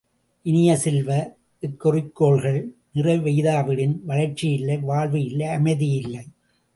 இனிய செல்வ, இக்குறிக்கோள்கள் நிறைவெய்தா விடின் வளர்ச்சி இல்லை வாழ்வு இல்லை அமைதி இல்லை.